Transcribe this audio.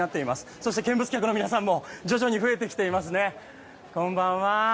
そして、見物客の皆さんも徐々に増えてきましたね。